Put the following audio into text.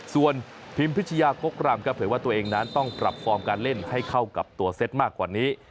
ส่วนพิมพิชยากกรำครับเผยว่าตัวเองนั้นต้องปรับฟอร์มการเล่นให้เข้ากับตัวเซตมากกว่านี้